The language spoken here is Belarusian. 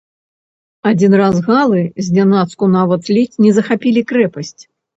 Адзін раз галы знянацку нават ледзь не захапілі крэпасць.